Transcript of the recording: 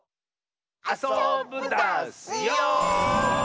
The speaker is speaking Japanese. あそぶダスよ！